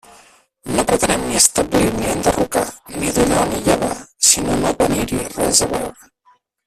No pretenem ni establir ni enderrocar, ni donar ni llevar, sinó no tenir-hi res a veure.